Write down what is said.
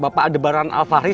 bapak adebaran al fahri